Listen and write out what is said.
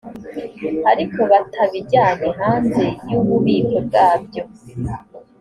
ariko batabijyanye hanze y ububiko bwabyo